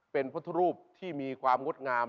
เป็นพุทธรูปที่มีความงดงาม